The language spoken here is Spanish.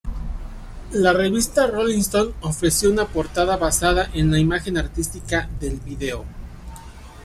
La revista "Rolling Stone" ofreció una portada basada en la imagen artística del video.